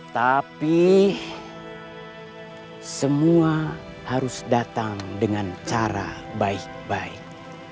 tapi semua harus datang dengan cara baik baik